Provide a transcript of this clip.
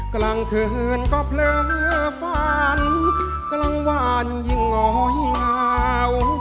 กลางคืนก็เผลอฝันกลางวันยิ่งงอยวาว